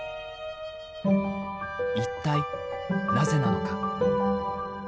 一体なぜなのか？